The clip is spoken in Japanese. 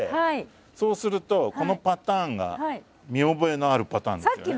そうするとこのパターンが見覚えのあるパターンですよね。